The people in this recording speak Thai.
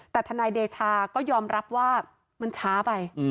แต่ทนายเดชาก็ยอมรับว่ามันช้าไป